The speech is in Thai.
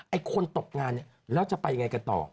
ไอ้คนตกงานเนี่ยแล้วจะไปยังไงกันต่อ